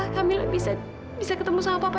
kami bisa ketemu sama papa